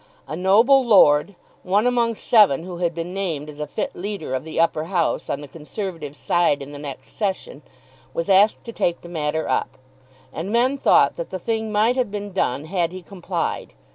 A noble lord, one among seven who had been named as a fit leader of the Upper House on the Conservative side in the next session, was asked to take the matter up; and men thought that the thing might have been done had he complied.